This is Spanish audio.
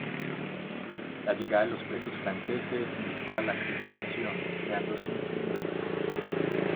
La llegada de los presos franceses dispara la crispación creándose un tumulto.